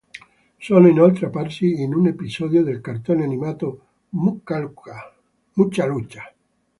Sono inoltre apparsi in un episodio del cartone animato "Mucha Lucha!".